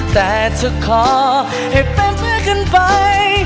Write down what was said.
แต่จะขอให้เป็นเมื่อขึ้นไป